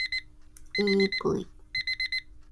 太陽好像都特別大